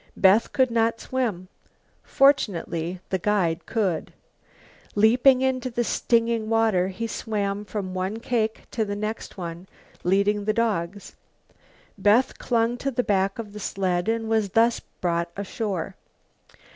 Beth could not swim. Fortunately the guide could. Leaping into the stinging water he swam from one cake to the next one, leading the dogs. Beth clung to the back of the sled and was thus brought ashore.